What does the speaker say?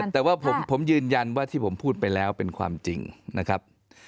แต่ว่าผมยืนยันว่าที่ผมพูดไปแล้วเป็นความจริงนะครับ